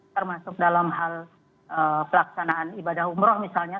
termasuk dalam hal pelaksanaan ibadah umroh misalnya